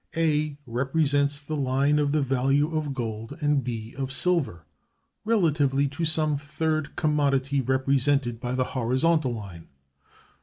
(236) A represents the line of the value of gold, and B of silver, relatively to some third commodity represented by the horizontal line.